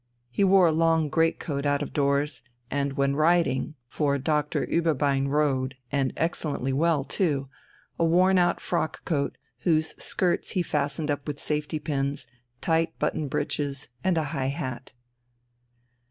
He wore a long great coat out of doors, and when riding for Dr. Ueberbein rode, and excellently well too a worn out frock coat whose skirts he fastened up with safety pins, tight buttoned breeches, and a high hat.